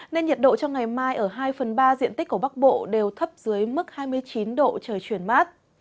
nên nhiệt độ trong ngày mai ở hai phần ba diện tích của bắc bộ đều thấp dưới mức hai mươi chín độ trời chuyển mát